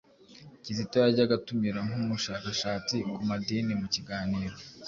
Kizito yajyaga atumira nk'umushakashatsi ku madini mu kiganiro